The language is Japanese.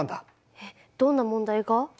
えっどんな問題が？